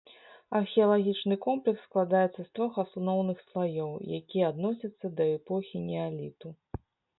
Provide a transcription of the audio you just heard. Археалагічны комплекс складаецца з трох асноўных слаёў, якія адносяцца да эпохі неаліту.